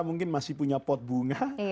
mungkin masih punya pot bunga